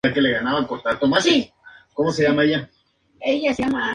Dada cualquier relación siempre existe su clausura transitiva.